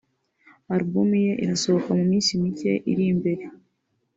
Album ye irasohoka mu minsi mike iri imbere